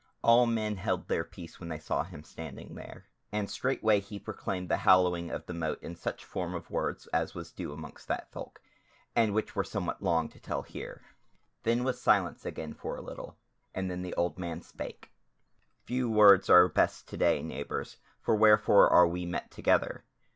All men held their peace when they saw him standing there; and straightway he proclaimed the hallowing of the Mote in such form of words as was due amongst that folk, and which were somewhat long to tell here. Then was silence again for a little, and then the old man spake: "Few words are best to day, neighbours; for wherefore are we met together?"